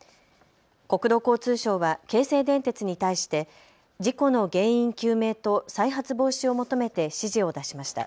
国土交通省は京成電鉄に対して事故の原因究明と再発防止を求めて指示を出しました。